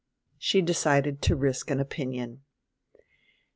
She decided to risk an opinion.